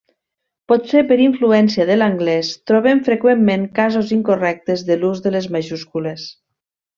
Potser per influència de l'anglès trobem freqüentment casos incorrectes de l'ús de les majúscules.